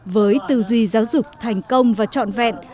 với tư duy giáo dục thành công và trọn vẹn